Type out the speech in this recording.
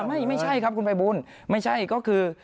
ไม่ใช่ครับคุณภัยบูลไม่ใช่ก็คือ